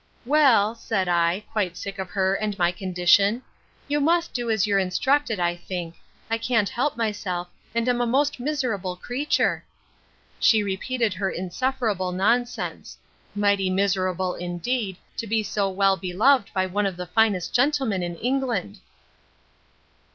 Well, said I, quite sick of her, and my condition; you must do as you are instructed, I think. I can't help myself, and am a most miserable creature. She repeated her insufferable nonsense. Mighty miserable, indeed, to be so well beloved by one of the finest gentlemen in England!